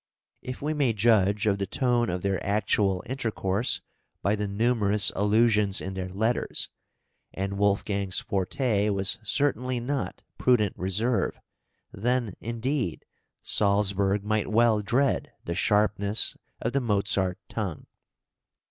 If we may judge of the tone of their actual {EARLY MANHOOD.} (340) intercourse by the numerous allusions in their letters (and Wolfgang's forte was certainly not prudent reserve), then, indeed, Salzburg might well dread the sharpness of the Mozart tongue.